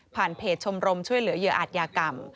เพจชมรมช่วยเหลือเหยื่ออาจยากรรม